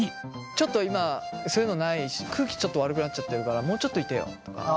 ちょっと今そういうのないし空気ちょっと悪くなっちゃってるからもうちょっといてよとか。